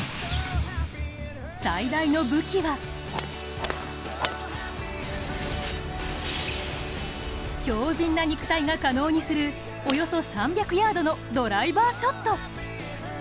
最大の武器は強じんな肉体が可能にするおよそ３００ヤードのドライバーショット。